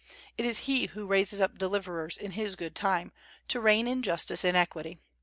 It is He who raises up deliverers in His good time, to reign in justice and equity.